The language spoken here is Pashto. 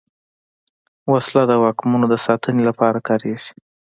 وسله د واکمنو د ساتنې لپاره کارېږي